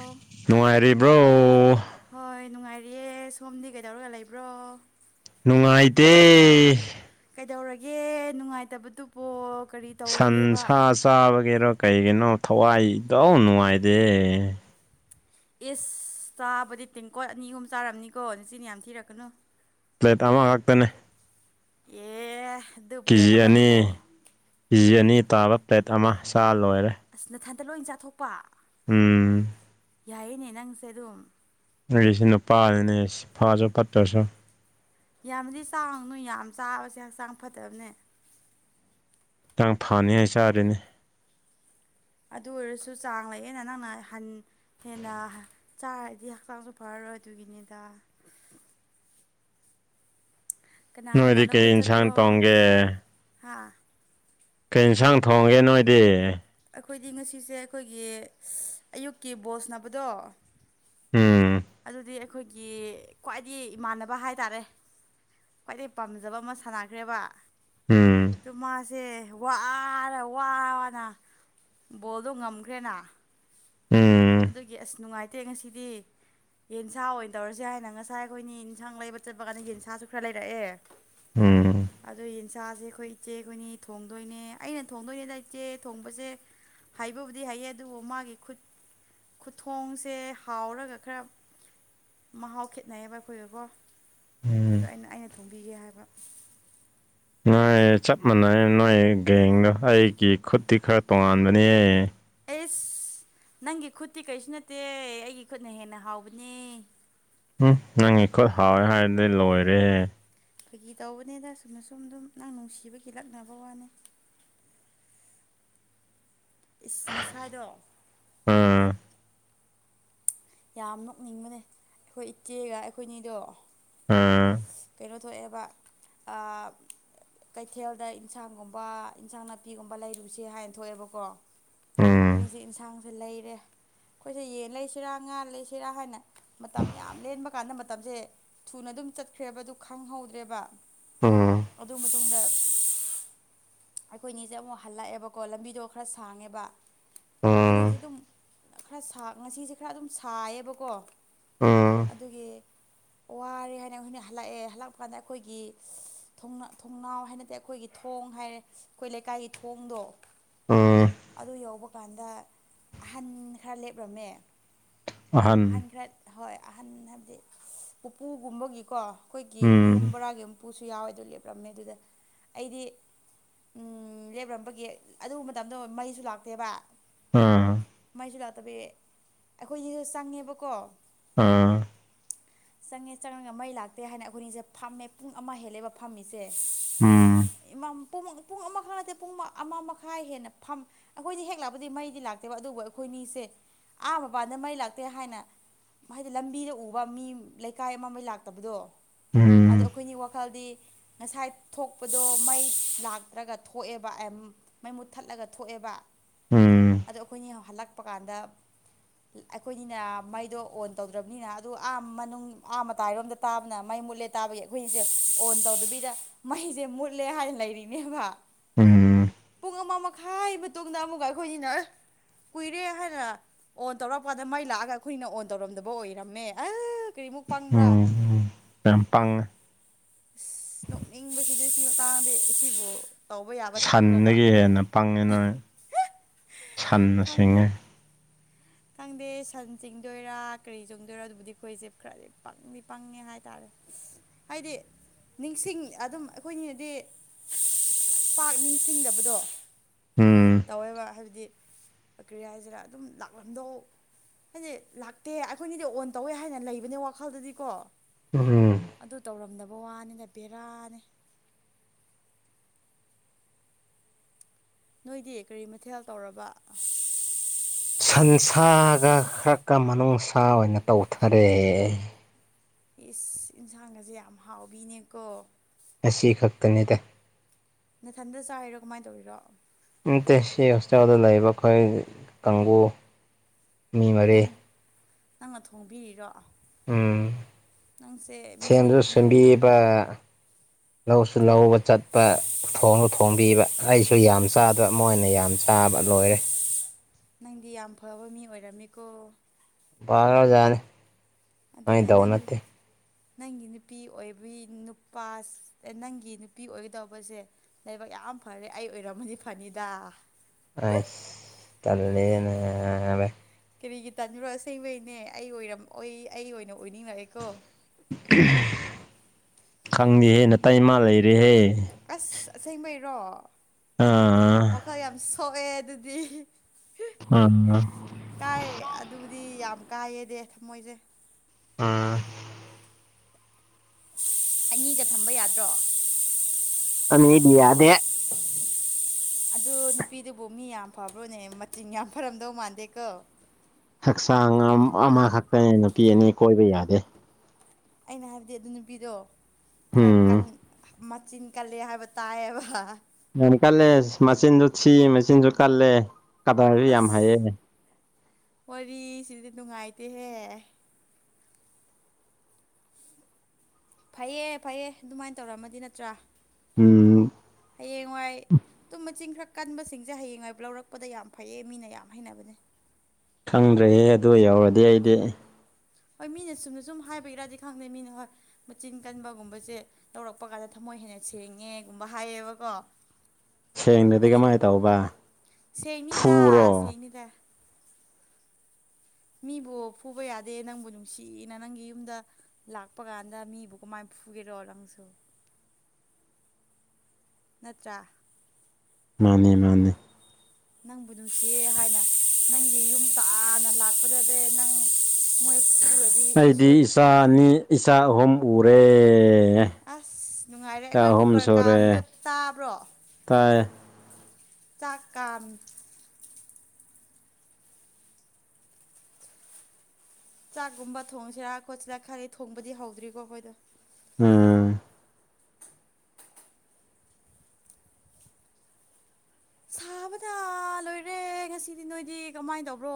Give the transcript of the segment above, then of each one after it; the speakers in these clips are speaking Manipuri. ꯑꯣ ꯅꯨꯡꯉꯥꯏꯔꯤꯕ꯭ꯔꯣ ꯍꯣꯏ ꯅꯨꯡꯉꯥꯏꯔꯤꯑꯦ ꯁꯣꯝꯗꯤ ꯀꯩꯗꯧꯔꯒ ꯂꯩꯕ꯭ꯔꯣ ꯉꯥꯏꯇꯦ ꯇꯧꯔꯒꯦ ꯅꯨꯡꯉꯥꯏꯇꯕꯗꯨꯕꯣ ꯀꯔꯤ ꯇꯧꯔꯒꯦꯕ ꯁꯟꯁꯥ ꯆꯥꯕꯒꯦꯔꯥ ꯀꯩꯒꯤꯅꯣ ꯊꯋꯥꯏꯗꯧ ꯅꯨꯡꯉꯥꯏꯗꯦ ꯏꯁ ꯆꯥꯕꯗꯤ ꯄꯤꯡꯀꯣꯠ ꯑꯅꯤ ꯑꯍꯨꯝ ꯆꯥꯔꯝꯅꯤꯀꯣ ꯅꯆꯤꯟ ꯌꯥꯝ ꯊꯤꯔꯛꯀꯅꯨ ꯄ꯭ꯂꯦꯠ ꯑꯃꯒꯥꯛꯇꯅꯦ ꯑꯦ ꯑꯗꯨ ꯀꯦ ꯄ꯭ꯂꯦꯠ ꯖꯤ ꯑꯅꯤ ꯑꯃꯗꯨꯕꯨ ꯀꯦ ꯖꯤ ꯑꯅꯤ ꯇꯥꯕ ꯄ꯭ꯂꯦꯠ ꯑꯃ ꯆꯥ ꯂꯣꯏꯔꯦ ꯑꯁ ꯅꯊꯟꯇ ꯂꯣꯏ ꯆꯥꯊꯣꯛꯄ ꯎꯝ ꯌꯥꯏꯅꯦ ꯅꯪꯁꯦ ꯑꯗꯨꯝ ꯑꯩꯒꯤꯁꯤ ꯅꯨꯄꯥꯅꯤꯅꯦ ꯐꯥꯁꯨ ꯐꯠꯇ꯭ꯔꯁꯨ ꯌꯥꯝꯅꯗꯤ ꯆꯥꯎꯅꯨ ꯌꯥꯝ ꯆꯥꯕꯁꯦ ꯍꯛꯆꯥꯡ ꯐꯠꯇꯕꯅꯦ ꯍꯈꯤꯇꯥꯡ ꯐꯥꯅꯤ ꯍꯥꯏ ꯆꯥꯔꯦꯅꯦ ꯑꯗꯨ ꯑꯣꯏꯔꯁꯨ ꯆꯥꯡ ꯂꯩꯑꯦꯅ ꯅꯪꯅ ꯍꯟ ꯍꯦꯟꯅ ꯆꯥꯔꯗꯤ ꯍꯛꯆꯥꯡꯁꯨ ꯐꯔꯔꯣꯏ ꯑꯗꯨꯒꯤꯅꯤꯗ ꯀꯅꯥ ꯅꯣꯏ ꯀꯅꯥ ꯀꯦ ꯂꯧꯕ ꯏꯟꯁꯥꯡ ꯆꯠꯄ꯭ꯔꯣ ꯇꯣꯡꯒꯦ ꯍꯥ ꯀꯩ ꯌꯦꯟꯁꯥꯡ ꯊꯣꯡꯒꯦ ꯅꯣꯏꯗꯤ ꯑꯩꯈꯣꯏꯗꯤ ꯉꯁꯤꯁꯦ ꯑꯩꯈꯣꯏꯒꯤ ꯑꯌꯨꯛꯀꯤ ꯕꯣꯁꯅꯕꯗꯣ ꯎꯝ ꯑꯩꯈꯣꯏꯒꯤ ꯈ꯭ꯋꯥꯏꯗꯒꯤ ꯏꯃꯥꯟꯅꯕ ꯍꯥꯏꯇꯥꯔꯦ ꯈ꯭ꯋꯥꯏꯗꯩ ꯄꯥꯝꯖꯕ ꯑꯃ ꯁꯥꯟꯅꯈ꯭ꯔꯦꯕ ꯎꯝ ꯑꯗꯨ ꯃꯥꯁꯦ ꯋꯥꯔꯦ ꯋꯥꯅ ꯕꯣꯗꯣ ꯉꯝꯈ꯭ꯔꯦꯅ ꯎꯝ ꯑꯗꯨꯒꯤ ꯑꯁ ꯅꯨꯡꯉꯥꯏꯇꯦ ꯉꯁꯤꯗꯤ ꯌꯦꯟꯁꯥ ꯑꯣꯏꯅ ꯇꯧꯔꯁꯦ ꯍꯥꯏꯅ ꯉꯁꯥꯏ ꯑꯩꯈꯣꯏꯅꯤ ꯌꯦꯟꯁꯥꯡ ꯂꯩꯕ ꯆꯠꯄ ꯀꯥꯟꯗ ꯌꯦꯟꯁꯥꯁꯨ ꯈꯔ ꯂꯩꯔꯛꯑꯦ ꯎꯝ ꯑꯗꯨꯗ ꯌꯦꯟꯁꯥꯁꯦ ꯑꯩꯈꯣꯏ ꯏꯆꯦꯈꯣꯏꯅꯤ ꯊꯣꯡꯗꯣꯏꯅꯦ ꯑꯩꯅ ꯊꯣꯡꯗꯣꯏꯅꯦꯗ ꯏꯆꯦ ꯊꯣꯡꯕꯁꯦ ꯍꯥꯏꯕꯕꯨꯗꯤ ꯍꯩꯌꯦ ꯑꯗꯨꯕꯨ ꯃꯥꯒꯤ ꯈꯨꯠ ꯈꯨꯊꯣꯡꯁꯦ ꯍꯥꯎꯔꯒ ꯈꯔ ꯃꯍꯥꯎ ꯈꯦꯠꯅꯩꯕ ꯑꯩꯈꯣꯏꯕꯀꯣ ꯎꯝ ꯑꯗꯣ ꯑꯩꯅ ꯑꯩꯅ ꯊꯣꯡꯕꯤꯒꯦ ꯍꯥꯏꯕ ꯑꯩ ꯆꯞ ꯃꯥꯟꯅꯩ ꯅꯣꯏ ꯒꯦꯡꯗꯣ ꯑꯩꯒꯤ ꯈꯨꯠꯇꯤ ꯈꯔ ꯇꯣꯉꯥꯟꯕꯅꯦꯍ ꯑꯦꯁ ꯅꯪꯒꯤ ꯈꯨꯠꯇꯤ ꯀꯩꯁꯨ ꯅꯠꯇꯦ ꯑꯩꯒꯤ ꯈꯨꯠꯅ ꯍꯦꯟꯅ ꯍꯥꯎꯕꯅꯦ ꯎꯝ ꯅꯪ ꯑꯩꯈꯣꯏ ꯍꯥꯎꯋꯦ ꯍꯥꯏꯔꯗꯤ ꯂꯣꯏꯔꯦꯍꯦ ꯐꯥꯒꯤ ꯇꯧꯕꯅꯦꯗ ꯑ ꯁꯨꯝꯅ ꯁꯨꯝ ꯑꯗꯨꯝ ꯅꯪ ꯅꯨꯡꯁꯤꯕꯒꯤ ꯂꯛꯅꯕ ꯋꯥꯅꯤ [inaudible] ꯅꯁꯥꯏꯗꯣ ꯎꯝ ꯌꯥꯝ ꯅꯣꯛꯅꯤꯡꯕꯅꯦ ꯑꯩꯈꯣꯏ ꯏꯆꯦꯒ ꯑꯩꯈꯣꯏꯅꯤꯗꯣ ꯑꯝ ꯀꯩꯅꯣ ꯊꯣꯛꯣꯑꯕ ꯀꯩꯊꯦꯜꯗ ꯏꯟꯁꯥꯡꯒꯨꯝꯕ ꯏꯟꯁꯥꯡ ꯅꯥꯄꯤꯒꯨꯝꯕ ꯂꯩꯔꯨꯁꯦ ꯍꯥꯏꯅ ꯊꯣꯛꯑꯦꯕꯀꯣ ꯑꯩꯈꯅꯤꯁ ꯎꯝ ꯌꯦꯟꯁꯥꯡꯁꯦ ꯂꯩꯔꯦ ꯑꯩꯈꯣꯏꯁꯦ ꯌꯦꯟ ꯂꯩꯁꯤꯔꯥ ꯉꯥ ꯂꯩꯁꯤꯔꯥ ꯍꯥꯏꯅ ꯃꯇꯝ ꯌꯥꯝ ꯂꯦꯟꯕ ꯀꯥꯟꯗ ꯃꯇꯝꯁꯦ ꯊꯨꯅ ꯑꯗꯨꯝ ꯆꯠ ꯈꯈ꯭ꯔꯦꯕꯗꯨ ꯈꯪꯍꯧꯗ꯭ꯔꯦꯕ ꯑꯗꯨ ꯃꯇꯨꯡꯗ ꯑꯩꯈꯣꯏꯅꯤꯁꯦ ꯑꯃꯨꯛ ꯍꯜꯂꯛꯑꯦꯕꯀꯣ ꯂꯝꯕꯤꯗꯣ ꯈꯔ ꯁꯥꯡꯉꯦꯕ ꯈꯨꯅꯤꯁꯦ ꯎꯝ ꯑꯗꯨꯝ ꯈꯔ ꯉꯁꯤꯁꯦ ꯈꯔ ꯑꯗꯨꯝ ꯁꯥꯏꯌꯦꯕꯀꯣ ꯎꯝ ꯑꯗꯨꯒꯤ ꯋꯥꯔꯦ ꯍꯥꯏꯅ ꯑꯩꯈꯣꯏꯅ ꯍꯥꯏ ꯂꯥꯛꯑꯦ ꯍꯜꯂꯥꯛꯄ ꯀꯥꯟꯗ ꯑꯩꯈꯣꯏꯒꯤ ꯊꯣꯡꯅꯥꯎ ꯍꯥꯏꯅꯗꯤꯦ ꯑꯩꯈꯣꯏꯒꯤ ꯊꯣꯡ ꯍꯥꯏꯔꯦ ꯑꯩꯈꯣꯏ ꯂꯩꯀꯥꯏ ꯑꯩ ꯊꯣꯡꯗꯣ ꯎꯝ ꯎꯝ ꯑꯗꯨ ꯌꯧꯕ ꯀꯥꯟꯗ ꯑꯍꯟ ꯈꯔ ꯂꯦꯞꯂꯝꯃꯦ ꯑꯍꯟ ꯈꯔ ꯍꯣꯏ ꯑꯍꯟ ꯍꯥꯏꯕꯗꯤ ꯎꯄꯨꯒꯨꯝꯕꯒꯤꯀꯣ ꯑꯩꯈꯣꯏꯒꯤ ꯌꯨꯝ ꯎꯝ ꯕꯣꯔꯥꯒꯤ ꯃꯄꯨꯁꯨ ꯌꯥꯎꯋꯦ ꯑꯗꯨ ꯂꯦꯞꯂꯝꯝꯃꯦ ꯑꯗꯨꯗ ꯑꯩꯗꯤ ꯎꯝ ꯂꯦꯞꯔꯝꯕꯒꯤ ꯑꯗꯨꯕ ꯃꯇꯝꯗ ꯃꯩꯁꯨ ꯂꯥꯛꯇꯦꯕ ꯑꯝ ꯍꯥꯏꯁꯨ ꯂꯥꯛꯇꯕꯤ ꯑꯩꯈꯣꯏꯁꯤꯗ ꯆꯪꯉꯦꯕꯀꯣ ꯑꯥ ꯆꯪꯉꯦ ꯆꯪꯉꯒ ꯃꯩ ꯂꯥꯛꯀꯦ ꯍꯥꯞꯄꯦ ꯍꯥꯏꯅ ꯑꯩꯈꯣꯏꯅꯤꯁꯦ ꯐꯝꯃꯦ ꯄꯨꯡ ꯑꯃ ꯍꯦꯜꯂꯦꯕ ꯐꯝꯃꯤꯁꯦ ꯎꯝ ꯄꯨꯡ ꯑꯃꯈ ꯅꯠꯇꯦ ꯄꯨꯡ ꯑꯃ ꯃꯈꯥꯏ ꯍꯦꯟꯅ ꯐꯝ ꯑꯩꯈꯣꯏꯗꯤ ꯍꯦꯛ ꯂꯥꯛꯄꯗꯤ ꯃꯩꯗꯤ ꯂꯥꯛ ꯂꯥꯛꯇꯦꯕ ꯑꯗꯨꯕꯨ ꯑꯩꯈꯣꯏ ꯑꯁꯦ ꯑꯥ ꯃꯄꯥꯟꯗ ꯃꯩ ꯂꯥꯛꯇꯦ ꯍꯥꯏꯅ ꯍꯥꯏꯗꯤ ꯂꯝꯕꯤꯗ ꯎꯕ ꯃꯤ ꯂꯩꯀꯥꯏ ꯑꯃꯃꯩ ꯂꯥꯛꯇꯕꯗꯣ ꯎꯝ ꯑꯗꯣ ꯑꯩꯈꯣꯏꯒꯤ ꯋꯥꯈꯜꯗꯤ ꯉꯁꯥꯏ ꯊꯣꯛꯄꯗꯣ ꯃꯩ ꯂꯥꯛꯇ꯭ꯔꯒ ꯊꯣꯛꯑꯦꯕ ꯑ ꯃꯩ ꯃꯨꯠ ꯊꯠꯂꯒ ꯊꯣꯛꯑꯦꯕ ꯎꯝ ꯎꯝ ꯑꯗꯣ ꯑꯩꯈꯣꯏꯅ ꯍꯜꯂꯛꯄ ꯀꯥꯟꯗ ꯑꯩꯈꯣꯏꯅꯤꯅ ꯃꯩꯗꯣ ꯑꯣꯟ ꯇꯧꯗ꯭ꯔꯕꯅꯤꯅ ꯑꯗꯨ ꯑꯥ ꯃꯅꯨꯡ ꯑꯥ ꯃꯇꯥꯏꯔꯣꯝꯗ ꯇꯥꯕ ꯑꯗꯨꯅ ꯃꯩ ꯃꯨꯠꯂꯦ ꯇꯥꯕꯒꯤ ꯑꯩꯈꯣꯏꯁꯦ ꯑꯣꯟ ꯇꯧꯗꯕꯤꯗ ꯃꯩꯁꯦ ꯃꯨꯠꯂꯦ ꯍꯥꯏꯅ ꯂꯩꯔꯤꯅꯦꯕ ꯍꯝ ꯄꯨꯡ ꯑꯃ ꯃꯈꯥꯏꯒꯤ ꯃꯇꯨꯡꯗ ꯑꯃꯨꯛ ꯑꯩꯈꯣꯏꯅꯤꯅ ꯀꯨꯏꯔꯦ ꯍꯥꯏꯅ ꯑꯣꯟ ꯇꯧꯔꯛꯄꯥꯟꯗ ꯃꯩ ꯂꯥꯛꯑꯒ ꯑꯩꯈꯣꯏꯅ ꯑꯣꯟ ꯇꯧꯔꯝꯗꯕ ꯑꯣꯏꯔꯝꯃꯦ ꯑ ꯀꯔꯤꯃꯨꯛ ꯄꯪꯕ꯭ꯔꯥ ꯄꯉ ꯅꯣꯛꯅꯤꯡꯕꯁꯤꯗꯤ ꯁꯤ ꯃꯇꯥꯡꯗꯤ ꯁꯤꯕꯨ ꯇꯧꯕ ꯌꯥꯕ ꯊꯕꯛꯔꯣꯕ ꯁꯟꯗꯒꯤ ꯍꯦꯟꯅ ꯄꯪꯉꯤ ꯅꯣꯏ ꯁꯟꯅ ꯁꯤꯡꯉꯦ ꯎ ꯈꯪꯗꯦ ꯁꯟ ꯆꯤꯡꯗꯣꯏꯔꯥ ꯀꯔꯤ ꯆꯣꯡꯗꯣꯏꯔ ꯑꯗꯨꯕꯨꯗꯤ ꯑꯩꯈꯣꯏꯁꯦ ꯈꯔꯗꯤ ꯄꯪꯗꯤ ꯄꯪꯉꯦ ꯍꯥꯏꯇꯥꯔꯦ ꯑꯩꯗꯤ ꯅꯤꯡꯁꯤꯡ ꯑꯗꯨꯝ ꯑꯩꯈꯣꯏꯒꯤꯗꯤ ꯄꯥꯛ ꯅꯤꯡꯁꯤꯡꯗꯕꯗꯣ ꯎꯝ ꯇꯧꯋꯦꯕ ꯍꯥꯏꯕꯗꯤ ꯀ꯭ꯔꯤꯌꯥ ꯍꯥꯏꯁꯤꯔ ꯑꯗꯨꯝ ꯂꯥꯛꯂꯝꯗꯧ ꯍꯥꯏꯗꯤ ꯂꯥꯛꯇꯦ ꯑꯩꯈꯣꯏꯅꯤꯗꯤ ꯑꯣꯟ ꯇꯧꯋꯦ ꯍꯥꯏꯅ ꯂꯩꯕꯅꯦ ꯋꯥꯈꯜꯗꯨꯗꯤ ꯀꯣ ꯎꯝ ꯇꯧꯔꯝꯗꯕ ꯋꯥꯅꯤꯅ ꯄꯦꯔꯥꯅꯤ ꯅꯣꯏꯗꯤ ꯀꯔꯤ ꯃꯊꯦꯜ ꯇꯧꯔꯕ ꯁꯟꯁꯥꯒ ꯈꯔꯀ ꯃꯅꯨꯡꯅꯨꯡꯁꯥ ꯑꯣꯏꯅ ꯇꯧꯊꯔꯦ ꯏꯁꯁ ꯌꯦꯟꯁꯥꯡꯒꯁꯦ ꯌꯥꯝ ꯍꯥꯎꯕꯤꯅꯦꯀꯣ ꯑꯁꯤ ꯈꯛꯇꯅꯤ ꯇꯥꯏ ꯅꯊꯟꯗ ꯆꯥꯔꯤꯔꯣ ꯀꯃꯥꯏꯅ ꯇꯧꯔꯤꯔꯣ ꯑꯠꯇꯦ ꯁꯤ ꯍꯣꯁꯇꯦꯜꯗ ꯂꯩꯔꯤꯕ ꯑꯩꯈꯣꯏ ꯀꯥꯡꯕꯨ ꯃꯤ ꯃꯔꯤ ꯅꯪ ꯅꯪꯅ ꯊꯣꯡꯕꯤꯔꯤꯔꯣ ꯎꯝ ꯅꯪꯁꯦ ꯃꯤꯗꯤ ꯁꯦꯟꯁꯨ ꯁꯦꯝ ꯌꯥꯝ ꯐꯩꯌꯦ ꯁꯦꯝꯕꯤꯕ ꯂꯧꯁꯨ ꯊꯣꯡ ꯂꯧꯕ ꯆꯠꯄ ꯊꯣꯡ ꯊꯣꯡꯕꯤꯕ ꯑꯩꯁꯨ ꯌꯥꯝ ꯆꯥꯗꯕ ꯃꯣꯏꯅ ꯌꯥꯝ ꯆꯥꯕ ꯂꯣꯏꯔꯦ ꯅꯪꯗꯤ ꯌꯥꯝ ꯐꯕ ꯃꯤ ꯑꯣꯏꯔꯝꯃꯤꯀꯣ ꯔ ꯍꯖꯔ ꯑꯗꯨꯅꯦ ꯅꯪꯒꯤ ꯅꯪꯒꯤ ꯅꯨꯄꯤ ꯑꯣꯏꯕꯤ ꯅꯨꯄꯥ ꯅꯪꯒꯤ ꯅꯨꯄꯤ ꯑꯣꯏꯒꯗꯧꯕꯁꯦ ꯂꯩꯕꯥꯛ ꯌꯥꯝ ꯐꯔꯦ ꯑꯩ ꯑꯣꯏꯔꯝꯃꯗꯤ ꯐꯅꯤꯗ ꯑꯁ ꯇꯂꯦꯕ ꯅꯥꯕ ꯀꯔꯤꯒꯤ ꯇꯥꯅꯨꯔꯛ ꯑꯁꯦꯡꯕꯩꯅꯦ ꯑꯩ ꯑꯣꯏꯔꯝꯑꯣꯏ ꯑꯩ ꯑꯣꯏꯅ ꯑꯣꯏꯅꯤꯡꯉꯛꯑꯦꯀꯣ ꯈꯪꯗꯦꯍꯦ ꯇꯩ ꯏꯃꯥ ꯂꯩꯔꯦꯍꯦ ꯑꯁꯦꯡꯉꯩꯔꯣ ꯑꯥ ꯋꯥꯈꯜ ꯌꯥꯝ ꯁꯣꯛꯑꯦ ꯑꯗꯨꯗꯤ ꯑꯥ ꯀꯥꯏ ꯑꯗꯨꯕꯨꯗꯤ ꯌꯥꯝ ꯀꯥꯏꯌꯦꯗꯤ ꯊꯃꯣꯏꯁꯦ ꯑ ꯑꯅꯤꯒ ꯊꯝꯕ ꯌꯥꯗ꯭ꯔꯣ ꯑꯅꯤꯗꯤ ꯌꯥꯗꯦ [unintelligible] ꯑꯗꯨ ꯅꯨꯄꯤꯗꯨꯕꯨ ꯃꯤ ꯌꯥꯝ ꯐꯕ꯭ꯔꯣꯅꯦ ꯃꯤꯟ ꯌꯥꯝ ꯐꯔꯝꯗꯧ ꯃꯥꯟꯗꯦꯀꯣ ꯍꯛꯆꯥꯡ ꯑꯃꯈꯛꯇꯅꯦ ꯅꯨꯄꯤ ꯑꯅꯤ ꯀꯣꯏꯕ ꯌꯥꯗꯦ ꯑꯩꯅ ꯍꯥꯏꯕꯗꯤ ꯑꯗꯨ ꯅꯨꯄꯤꯗꯣ ꯈꯔ ꯀ ꯎꯝ ꯃꯆꯤꯟ ꯀꯜꯂꯤ ꯍꯥꯏꯕ ꯇꯥꯏꯌꯦꯕ ꯌꯥꯝ ꯀꯜꯂꯦ ꯃꯆꯤꯟꯁꯨ ꯁꯤ ꯃꯆꯤꯟꯁꯨ ꯀꯜꯂꯦ ꯀꯗꯥꯏꯁꯨ ꯌꯥꯝ ꯍꯥꯏꯌꯦ ꯋꯥꯔꯤ ꯁꯤꯗꯤ ꯅꯨꯡꯉꯥꯏꯇꯦꯍꯦ ꯐꯩꯌꯦ ꯐꯩꯌꯦ ꯑꯗꯨꯃꯥꯏꯅ ꯇꯧꯔꯝꯃꯗꯤ ꯅꯠꯇ꯭ꯔꯥ ꯎꯝ ꯍꯌꯦꯡꯋꯥꯏ ꯇꯨꯝꯕ ꯆꯤꯡ ꯈ꯭ꯔ ꯀꯟꯕꯁꯤꯡꯁꯦ ꯍꯌꯦꯡ ꯍꯥꯏꯕ ꯂꯧꯔꯛꯄꯗ ꯌꯥꯝ ꯐꯩꯌꯦ ꯃꯤꯅ ꯌꯥꯝ ꯍꯩꯅꯕꯅꯦ ꯈꯪꯗ꯭ꯔꯦꯍꯦ ꯑꯗꯨ ꯌꯥꯎꯔꯗꯤ ꯑꯩꯗꯤ ꯍꯣꯏ ꯃꯤꯅ ꯁꯨꯝꯅ ꯁꯨꯝ ꯍꯥꯏꯕ ꯏꯔꯗꯤ ꯈꯪꯗꯦ ꯃꯤꯅ ꯍꯣꯏ ꯃꯆꯤꯟ ꯀꯟꯕꯒꯨꯝꯕꯁꯦ ꯇꯧꯔꯛꯄ ꯀꯥꯟꯗ ꯊꯝꯃ ꯃꯣꯏ ꯍꯦꯟꯅ ꯁꯦꯡꯉꯦꯒꯨꯝꯕ ꯍꯥꯏꯌꯦꯕꯀꯣ ꯁꯦꯡꯅꯗꯤ ꯍꯥꯏꯗꯤ ꯀꯃꯥꯏꯅ ꯇꯧꯕ ꯁꯦꯡꯅꯤꯗ ꯐꯨꯔꯣ ꯁꯦꯡꯅꯤꯗ ꯃꯤꯕꯨ ꯐꯨꯕ ꯌꯥꯗꯦ ꯅꯪꯕꯨ ꯅꯨꯡꯁꯤꯅ ꯅꯪꯒꯤ ꯌꯨꯝꯗ ꯂꯥꯛꯄ ꯀꯥꯟꯗ ꯃꯤꯕꯨ ꯀꯃꯥꯏ ꯎꯒꯦꯔꯣꯔꯪꯁꯨ ꯅꯠꯇ꯭ꯔꯥ ꯃꯥꯅꯦ ꯃꯥꯅꯦ ꯅꯪꯕꯨ ꯅꯨꯡꯁꯤ ꯍꯥꯏꯅ ꯅꯪꯒꯤ ꯌꯨꯝ ꯇꯥꯅ ꯂꯥꯛꯄꯗꯗꯤ ꯅꯪ ꯃꯣꯏ ꯐꯨꯔꯗꯤ ꯑꯩꯗꯤ ꯏꯁꯣꯏ ꯏꯆꯥ ꯑꯅꯤ ꯏꯆꯥ ꯑꯍꯨꯝ ꯎꯔꯦ ꯑꯁ ꯅꯨꯡꯉꯥꯏꯔꯦ ꯏꯆꯥ ꯑꯩꯈꯣꯏ ꯑꯍꯨꯝ ꯀꯨꯀꯔ ꯁꯨꯔꯦ ꯀꯥꯃꯤꯗꯣ ꯇꯥꯕ꯭ꯔꯣ ꯇꯥꯏ ꯆꯥꯛꯀꯝ ꯆꯥꯛꯀꯨꯝꯕ ꯊꯣꯡꯁꯤꯔꯥ ꯈꯣꯠꯁꯤꯔꯥ ꯈꯜꯂꯤ ꯊꯣꯡꯕꯗꯤ ꯍꯧꯗ꯭ꯔꯤꯀꯣ ꯑꯩꯈꯣꯏꯗꯣ ꯎꯝ ꯁꯕꯗ ꯑꯣꯏꯔꯦ ꯁꯤꯗꯤ ꯅꯣꯏꯗꯤ ꯀꯃꯥꯏꯅ ꯇꯧꯕ꯭ꯔꯣ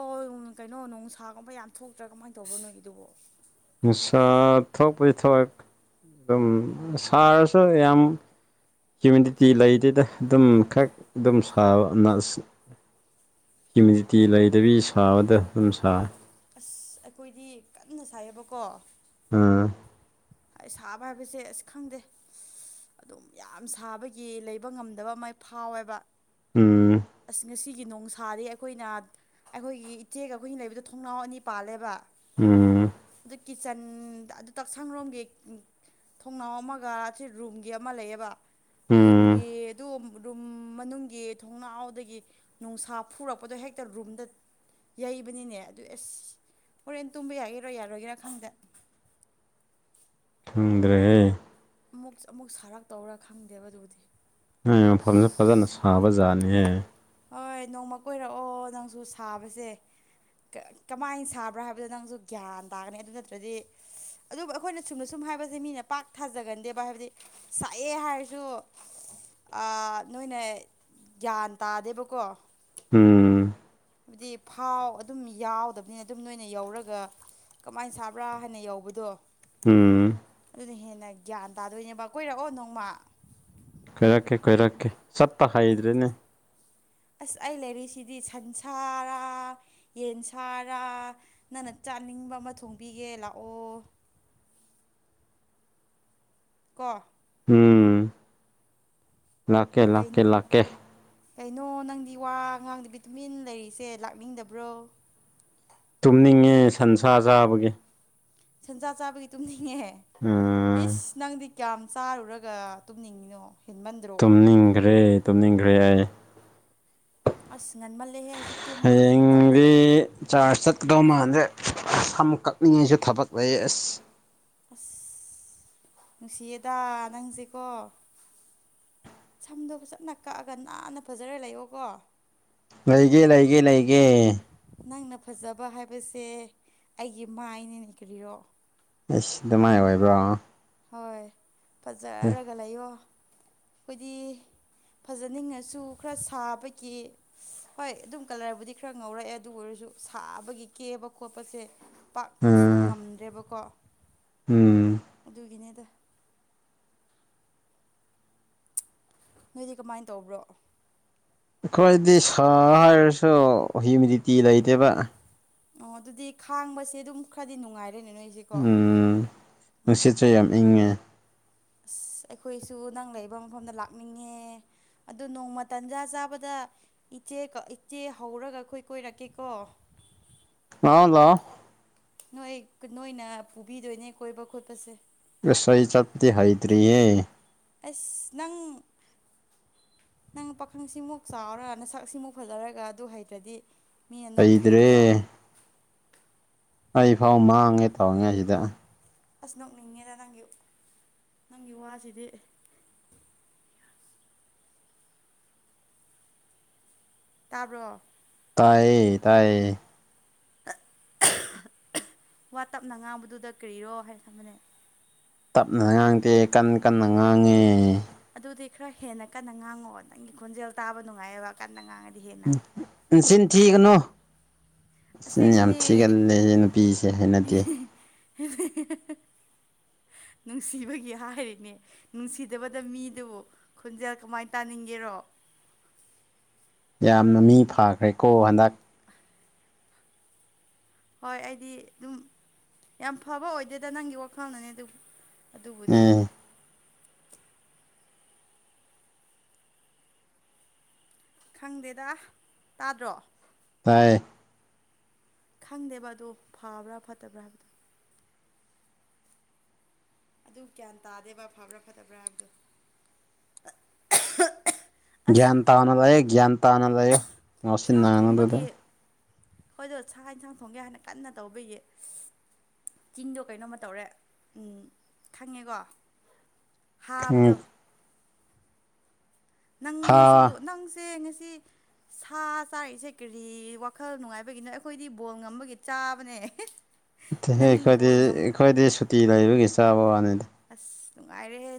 ꯀꯩꯅꯣ ꯅꯨꯡꯁꯥꯒꯨꯝꯕ ꯌꯥꯝ ꯊꯣꯛꯇ꯭ꯔꯥ ꯀꯃꯥꯏꯅ ꯇꯧꯕ꯭ꯔꯣ ꯅꯣꯏꯒꯤ ꯑꯗꯨꯕꯣ ꯁꯥꯠ ꯊ ꯩ ꯄꯗꯤ ꯊꯣꯛ ꯑꯥ ꯑꯗꯨꯝ ꯁꯥꯔꯁꯨ ꯌꯥꯝ ꯀ꯭ꯨꯃꯅꯤꯇꯤ ꯂꯩꯗꯨꯗ ꯑꯗꯨꯝ ꯈꯛ ꯑꯗꯨꯝ ꯁꯥꯕ ꯍꯤꯨꯃꯤꯗꯤꯇꯤ ꯂꯩꯗꯕꯤ ꯁꯥꯕꯗ ꯑꯗꯨꯝ ꯁꯥ ꯑꯁ ꯑꯩꯈꯣꯏꯗꯤ ꯀꯟꯅ ꯁꯥꯏꯌꯦꯕꯀꯣ ꯑꯝ ꯑꯩ ꯁꯥꯕ ꯍꯥꯏꯕꯁꯦ ꯑꯁ ꯈꯪꯗꯦ ꯑꯗꯨꯝ ꯌꯥꯝ ꯁꯥꯕꯒꯤ ꯂꯩꯕ ꯉꯝꯗꯕ ꯃꯥꯏ ꯐꯥꯎꯋꯦꯕ ꯎꯝ ꯑꯩꯒꯤ ꯅꯣꯡꯁꯥꯗꯤ ꯑꯩꯈꯣꯏꯅ ꯑꯩꯈꯣꯏꯒꯤ ꯏꯆꯦꯒ ꯑꯩꯈꯣꯏꯅ ꯂꯩꯕꯗ ꯊꯣꯡꯅꯥꯎ ꯑꯅꯤ ꯄꯥꯜꯂꯦꯕ ꯎꯝ ꯀꯤꯠꯆꯟꯗ ꯑꯗꯨ ꯇꯛꯁꯪꯔꯣꯝꯒꯤ ꯊꯣꯡꯅꯥꯎ ꯑꯃꯒ ꯁꯤ ꯔꯨꯝꯒꯤ ꯑꯃ ꯂꯩꯌꯦꯕ ꯎꯝ ꯔꯨꯝꯒꯤ ꯑꯗꯨ ꯔꯨꯝ ꯃꯅꯨꯡꯒꯤ ꯊꯣꯡꯅꯥꯎꯗꯒꯤ ꯅꯨꯡꯁꯥ ꯐꯨꯔꯛꯄꯗꯣ ꯍꯦꯛꯇ ꯔꯨꯝꯗ ꯌꯩꯕꯅꯤꯅꯦ ꯑꯗꯨ ꯑꯦꯁ ꯍꯣꯔꯦꯟ ꯇꯨꯝꯕ ꯌꯥꯒꯦꯔꯣ ꯌꯥꯔꯣꯏꯒꯦꯔꯥ ꯈꯪꯗ ꯐꯪꯗ꯭ꯔꯦ ꯑꯃꯨꯛ ꯑꯃꯨꯛ ꯁꯥꯔꯥꯛ ꯇꯧꯔ ꯈꯪꯗꯦꯕ ꯑꯗꯨꯕꯨꯗꯤ ꯍ ꯃꯐꯝꯁꯦ ꯐꯖꯅ ꯁꯥꯕꯖꯥꯠꯅꯤꯍꯦ ꯍꯣꯏ ꯅꯣꯡꯃ ꯀꯣꯏꯔꯛꯑꯣ ꯅꯪꯁꯨ ꯁꯥꯕꯁꯦ ꯀꯃꯥꯏꯅ ꯁꯥꯕ꯭ꯔꯥ ꯍꯥꯏꯕꯗꯣ ꯅꯪꯁꯨ ꯒ꯭ꯌꯥꯟ ꯇꯥꯒꯅꯤ ꯑꯗꯨ ꯅꯠꯇ꯭ꯔꯗꯤ ꯑꯗꯨꯕꯨ ꯑꯩꯈꯣꯏꯅ ꯁꯨꯝꯅ ꯁꯨꯝ ꯍꯥꯏꯕꯁꯦ ꯃꯤꯅ ꯄꯥꯛ ꯊꯥꯖꯒꯟꯗꯦꯕ ꯍꯥꯏꯕꯗꯤ ꯁꯛꯑꯦ ꯍꯥꯏꯔꯁꯨ ꯅꯣꯏꯅ ꯒ꯭ꯌꯥꯟ ꯇꯥꯗꯦꯕꯀꯣ ꯎꯝ ꯍꯥꯏꯕꯗꯤ ꯐꯥꯎ ꯑꯗꯨꯝ ꯌꯥꯎꯗꯕꯅꯤꯅ ꯑꯗꯨꯝ ꯅꯣꯏꯅ ꯌꯧꯔꯒ ꯀꯃꯥꯏꯅ ꯁꯥꯕ꯭ꯔꯥ ꯍꯥꯏꯅ ꯌꯧꯕꯗꯣ ꯎꯝ ꯑꯗꯨꯅ ꯍꯦꯟꯅ ꯒ꯭ꯌꯥꯟ ꯇꯥꯗꯣꯏꯅꯦꯕ ꯀꯣꯏꯔꯛꯑꯣ ꯅꯣꯡꯃ ꯀꯣꯏꯔꯀꯦ ꯀꯣꯏꯔꯀꯦ ꯆꯠꯠꯇ ꯍꯥꯏꯗ꯭ꯔꯦꯅꯦ ꯑꯁ ꯑꯩ ꯂꯩꯔꯤꯁꯤꯗꯤ ꯁꯟꯁꯥꯔꯥ ꯌꯦꯟ ꯁꯥꯔꯥ ꯅꯪꯅ ꯆꯥꯅꯤꯡꯕ ꯑꯃ ꯊꯣꯡꯕꯤꯒꯦ ꯂꯥꯛꯑꯣ ꯀ ꯎꯝ ꯂꯥꯛꯀꯦ ꯀꯩ ꯂꯥꯛꯀꯦ ꯂꯥꯛꯀꯦ ꯀꯩꯅꯣ ꯅꯪꯗꯤ ꯋꯥ ꯑꯉꯥꯡꯗꯗꯤ ꯇꯨꯃꯤꯟ ꯂꯩꯔꯤꯁꯦ ꯂꯥꯛꯅꯤꯡꯗꯕ꯭ꯔꯣ ꯇꯨꯝꯅꯤꯡꯉꯦ ꯁꯟꯁꯥ ꯆꯥꯕꯒꯤ ꯁꯦꯟꯖꯥ ꯆꯥꯕꯒꯤ ꯇꯨꯝꯅꯤꯡꯉꯦ ꯎꯝ ꯏꯁ ꯅꯪꯗꯤ ꯀꯌꯥꯝ ꯆꯥꯔꯨꯔꯒ ꯇꯨꯝꯅꯤꯡꯉꯤꯅꯣ ꯍꯦꯟꯃꯟꯗ꯭ꯔꯣ ꯇꯨꯝꯅꯤꯡꯈ꯭ꯔꯦ ꯇꯨꯝꯅꯤꯡꯈ꯭ꯔꯦ ꯑꯩ ꯑꯁ ꯉꯟꯃꯜꯂꯦꯍꯦ ꯍꯧꯖꯤꯛ ꯇꯨꯝꯕꯒꯤ ꯃꯇꯝ ꯍꯌꯦꯡꯗꯤ ꯅꯠꯇ꯭ꯔꯦ ꯆꯥꯁꯠꯗꯣ ꯃꯥꯟꯗꯦ ꯁꯝ ꯀꯛꯅꯤꯡꯉꯩꯁꯨ ꯊꯕꯛ ꯂꯩ ꯑꯁ ꯑꯁ ꯅꯨꯡꯁꯤꯌꯦꯗ ꯅꯪꯁꯦꯀꯣ ꯁꯝꯗꯣ ꯆꯞꯅ ꯀꯛꯑꯒ ꯅꯥꯟꯅ ꯐꯖꯔ ꯂꯩꯑꯣꯣꯀꯣ ꯂꯩꯒꯦ ꯂꯩꯒꯦ ꯂꯩꯒꯦ ꯅꯪꯅ ꯐꯖꯕ ꯍꯥꯏꯕꯁꯦ ꯑꯩꯒꯤ ꯃꯥꯏꯅ ꯏꯈ꯭ꯔꯤꯔꯣ ꯑꯦꯁ ꯑꯗꯨꯃꯥꯏꯅ ꯑꯣꯏꯕ꯭ꯔꯣ ꯍꯣꯏ ꯎꯝ ꯐꯖꯔꯒ ꯂꯩꯌꯣ ꯑꯩꯈꯣꯏꯗꯤ ꯐꯖꯅꯤꯡꯉꯁꯨ ꯈꯔ ꯁꯥꯕꯒꯤ ꯍꯣꯏ ꯑꯗꯨꯝ ꯀꯂꯔꯕꯨꯗꯤ ꯈꯔ ꯉꯧꯔꯛꯑꯦ ꯑꯗꯨ ꯑꯣꯏꯔꯁꯨ ꯁꯨ ꯁꯥꯕꯒꯤ ꯀꯦꯕ ꯈꯣꯠꯄꯁꯦ ꯄꯥꯛ ꯉꯝꯗ꯭ꯔꯦꯕꯀꯣ ꯎꯝ ꯏꯅꯦꯗ ꯅꯣꯏꯗꯤ ꯀꯃꯥꯏꯅ ꯇꯧꯕ꯭ꯔꯣ ꯑꯩꯈꯣꯏꯗꯤ ꯁꯥ ꯍꯥꯏꯔꯁꯨ ꯍꯤꯨꯃꯤꯗꯤꯇꯤ ꯂꯩꯇꯦꯕ ꯑꯣ ꯑꯗꯨꯗꯤ ꯈꯥꯡꯕꯁꯦ ꯑꯗꯨꯝ ꯈꯔꯗꯤ ꯅꯨꯡꯉꯥꯏꯔꯦ ꯎꯝ ꯅꯨꯡꯁꯤꯠꯁꯦ ꯌꯥꯝ ꯏꯪꯉꯦ ꯑꯁ ꯑꯩꯈꯣꯏꯁꯨ ꯅꯪ ꯂꯩꯕ ꯃꯐꯝꯗ ꯂꯥꯛꯅꯤꯡꯉꯦ ꯑꯗꯨ ꯅꯣꯡꯃ ꯇꯟꯖꯥ ꯆꯥꯕꯗ ꯏꯆ ꯏꯆꯦ ꯍꯧꯔꯒ ꯑꯩꯈꯣꯏ ꯀꯣꯏꯔꯛꯀꯦꯀꯣ [unintelligible] ꯀ ꯉꯥꯎ ꯅꯣꯏ ꯅꯣꯏꯅ ꯄꯨꯕꯤꯗꯣꯏꯅꯦ ꯀꯣꯏꯕ ꯈꯣꯠꯄꯁꯦ ꯁ ꯑꯩ ꯆꯠꯗꯤ ꯍꯩꯗ꯭ꯔꯤꯌꯦꯦ ꯑꯦꯁ ꯅꯪ ꯅꯪ ꯄꯥꯈꯪꯁꯤꯃꯨꯛ ꯆꯥꯎꯔꯒ ꯅꯁꯥꯛ ꯁꯤꯃꯨꯛ ꯐꯖꯔꯒ ꯑꯗꯨ ꯍꯩꯇ꯭ꯔꯗꯤ ꯃꯤꯅ ꯍꯩꯇ꯭ꯔꯦ ꯅꯣꯛꯄꯤꯔꯣꯏꯗ꯭ꯔꯣ ꯑꯩꯐꯥꯎ ꯃꯥꯡꯉꯦ ꯇꯧꯉꯩ ꯁꯤꯗ ꯑꯁ ꯅꯣꯛꯅꯤꯡꯉꯦꯗ ꯅꯪꯒꯤ ꯅꯪꯒꯤ ꯋꯥꯁꯤꯗꯤ ꯇꯥꯕ꯭ꯔꯣ ꯇꯑꯌꯦ ꯇꯌꯦ ꯋꯥ ꯇꯞꯅ ꯉꯥꯡꯕꯗꯨꯗ ꯀꯔꯤꯔꯣ ꯍꯥꯏꯅ ꯈꯝꯕꯅꯦ ꯇꯞꯅ ꯉꯥꯡꯗꯦ ꯀꯟꯅ ꯀꯟꯅ ꯉꯥꯡꯉꯦ ꯑꯗꯨꯗꯤ ꯈꯔ ꯍꯦꯟꯅ ꯀꯟꯅ ꯉꯥꯡꯉꯣ ꯅꯪꯒꯤ ꯈꯣꯟꯖꯦꯜ ꯇꯥꯕ ꯅꯨꯡꯉꯥꯏꯑꯕ ꯀꯟꯅ ꯉꯥꯡꯉꯦ ꯏꯁꯤꯅ ꯊꯤꯒꯅꯣ ꯑꯁꯤꯅ ꯌꯥꯝ ꯑꯁꯦꯡꯕꯅꯦ ꯊꯤꯒꯂꯦꯦ ꯅꯨꯄꯤꯁꯦ ꯍꯥꯏꯩꯅꯗꯦ ꯍ ꯅꯨꯡꯁꯤꯕꯒꯤ ꯍꯥꯏꯔꯤꯅꯦ ꯅꯨꯡꯁꯤꯗꯕꯗ ꯃꯤꯗꯨꯕꯨ ꯈꯣꯟꯖꯦꯜ ꯀꯃꯥꯏꯅ ꯇꯥꯅꯤꯡꯒꯦꯔꯣ [inaudible] ꯌꯥꯝꯅ ꯃꯤ ꯐꯥꯈ꯭ꯔꯦꯀꯣ ꯍꯟꯗꯛ ꯍꯣꯏ ꯑꯩꯗꯤ ꯑꯗꯨꯝ ꯌꯥꯝ ꯐꯕ ꯑꯣꯏꯗꯦꯗ ꯅꯪꯒꯤ ꯋꯥꯈꯜꯅꯅꯦ ꯑꯗꯨꯝ ꯑꯗꯨꯕꯨꯗꯤ ꯎꯝ ꯈꯪꯗꯦꯗ ꯇꯥꯗ꯭ꯔꯣ ꯇ ꯈꯪꯗꯦꯕ ꯑꯗꯨ ꯐꯕ꯭ꯔꯥ ꯐꯠꯇꯕ꯭ꯔꯥ ꯍꯥꯏꯕꯗꯣ ꯑꯗꯨ ꯀꯒꯌꯥꯟ ꯇꯥꯗꯦꯕ ꯐꯕ꯭ꯔꯥ ꯐꯠꯇꯕ꯭ꯔꯥ ꯍꯥꯏꯕꯗꯣ ꯑꯁ ꯭ꯌꯥꯟ ꯇꯥꯅ ꯂꯌꯦ ꯭ꯌꯥꯟ ꯇꯥꯅ ꯂꯌꯦ ꯉꯁꯤꯟ ꯅꯥꯉꯅꯗꯨꯗ ꯍꯣꯏꯗ ꯁꯥꯥꯛ ꯌꯦꯟꯁꯥꯡ ꯊꯣꯡꯒꯦ ꯍꯥꯏꯅ ꯀꯟꯅ ꯇꯧꯕꯌꯦ ꯆꯤꯡꯗꯣ ꯀꯩꯅꯣꯝꯃ ꯇꯧꯔꯦ ꯎꯝ ꯈꯪꯉꯦꯀꯣ ꯍꯥꯕꯗꯣ ꯍꯥ ꯅꯪꯁꯨ ꯅꯪꯁꯦ ꯉꯁꯤ ꯁꯥ ꯆꯥꯔꯛꯏꯁꯦ ꯀꯔꯤ ꯋꯥꯈꯜ ꯅꯨꯡꯉꯥꯏꯕꯒꯤꯅꯣ ꯑꯩꯈꯣꯏꯗꯤ ꯕꯣꯜ ꯉꯝꯕꯒꯤ ꯆꯥꯕꯅꯦ ꯅꯪ ꯑꯩꯈꯣꯏꯗꯤ ꯕꯣꯜ ꯉꯝꯕ꯭ꯔꯥ ꯑꯩꯈꯣꯏꯗꯤ ꯁꯨꯇꯤ ꯂꯩꯕꯒꯤ ꯆꯥꯕ ꯋꯥꯅꯤꯗ ꯑꯁ ꯅꯨꯡꯉꯥꯏꯔꯦ